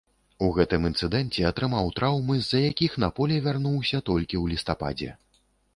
У гэтым інцыдэнце атрымаў траўмы, з-за якіх на поле вярнуўся толькі ў лістападзе.